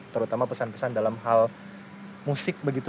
terutama pesan pesan dalam hal musik begitu